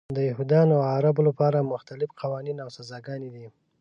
د یهودانو او عربو لپاره مختلف قوانین او سزاګانې دي.